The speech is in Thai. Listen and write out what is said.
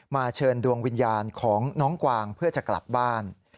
เชิญดวงวิญญาณของน้องกวางเพื่อจะกลับบ้าน